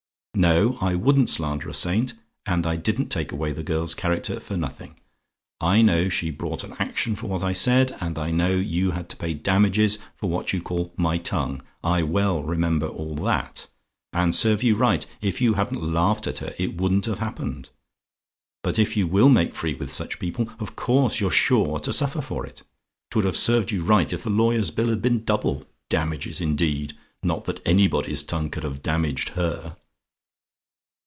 "No, I wouldn't slander a saint and I didn't take away the girl's character for nothing. I know she brought an action for what I said; and I know you had to pay damages for what you call my tongue I well remember all that. And serve you right; if you hadn't laughed at her, it wouldn't have happened. But if you will make free with such people, of course you're sure to suffer for it. 'Twould have served you right if the lawyer's bill had been double. Damages, indeed! Not that anybody's tongue could have damaged her!